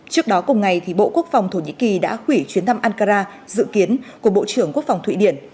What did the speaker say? trước đó cùng ngày bộ quốc phòng thổ nhĩ kỳ đã hủy chuyến thăm ankara dự kiến của bộ trưởng quốc phòng thụy điển